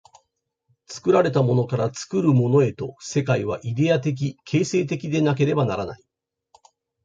作られたものから作るものへと、世界はイデヤ的形成的でなければならない。